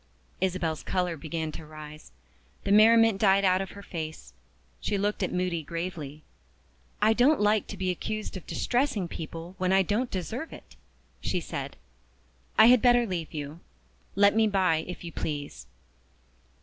Isabel's color began to rise. The merriment died out of her face; she looked at Moody gravely. "I don't like to be accused of distressing people when I don't deserve it," she said. "I had better leave you. Let me by, if you please."